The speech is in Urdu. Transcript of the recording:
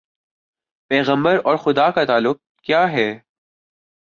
پیغمبر اور خدا کا تعلق کیا ہے؟